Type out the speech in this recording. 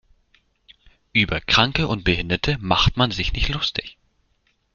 Über Kranke und Behinderte macht man sich nicht lustig.